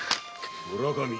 村上！